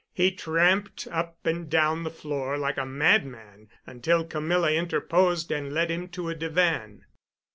He tramped up and down the floor like a madman until Camilla interposed and led him to a divan.